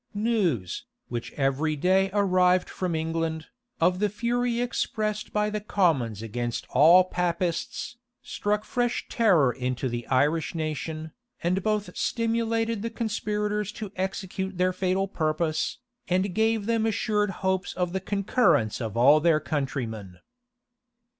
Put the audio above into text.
News, which every day arrived from England, of the fury expressed by the commons against all Papists, struck fresh terror into the Irish nation, and both stimulated the conspirators to execute their fatal purpose, and gave them assured hopes of the concurrence of all their country men.